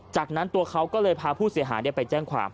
จากนั้นตัวเขาก็เลยพาผู้เสียหายไปแจ้งความ